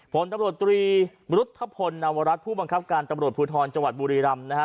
ผลตำรวจตรีรุธพลนวรัฐผู้บังคับการตำรวจภูทรจังหวัดบุรีรำนะฮะ